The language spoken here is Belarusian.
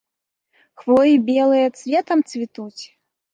Хвоі белыя цветам цвітуць?